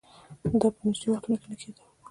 دا په نژدې وختونو کې نه کېدل